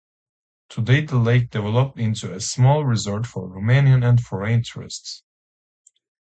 Today the lake developed into a small resort for Romanian and foreign tourists.